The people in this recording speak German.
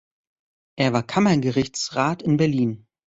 Er war Kammergerichtsrat in Berlin.